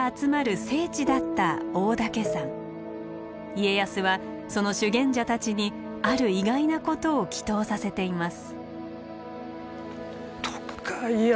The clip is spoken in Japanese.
家康はその修験者たちにある意外なことを祈とうさせています。